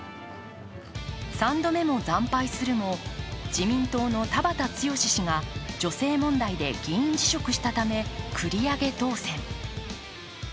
３度目も惨敗するも、自民党の田畑毅氏が女性問題で議員辞職したため繰り上げ当選。